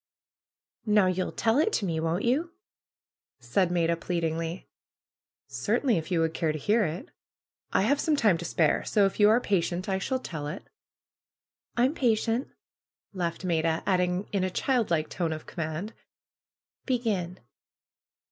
^^Now you'll tell it to me, won't you?" said Maida, pleadingly. Certainly, if you would care to hear it. I have some time to spare, so if you are patient I shall tell it." ^M'm patient !" laughed Maida; adding in a child like tone of command, ^^Begin!"